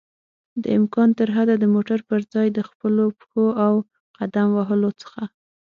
دامکان ترحده د موټر پر ځای له خپلو پښو او قدم وهلو څخه